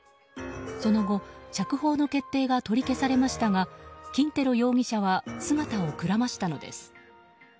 その後、釈放の決定が取り消されましたがキンテロ容疑者は姿をくらましたのです。